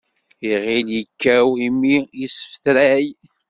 Iɣil ikkaw, immi isfetray.